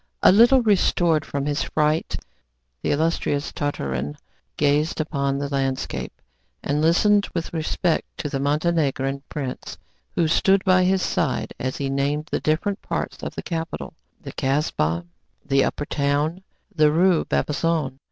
A little restored from his fright, the illustrious Tartarin gazed on the landscape, and listened with respect to the Montenegrin prince, who stood by his side, as he named the different parts of the capital, the Kasbah, the upper town, and the Rue Bab Azoon.